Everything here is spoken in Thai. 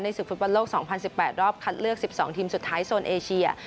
ศึกฟุตบอลโลก๒๐๑๘รอบคัดเลือก๑๒ทีมสุดท้ายโซนเอเชีย